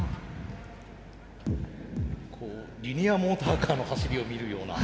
リニアモーターカーの走りを見るような。